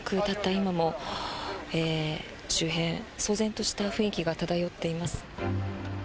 今も周辺、騒然とした雰囲気が漂っています。